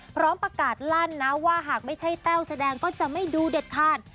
พร้อมประกาศลั่นนะว่าหากไม่ใช่แต้วแสดงก็จะไม่ดูเด็ดขาด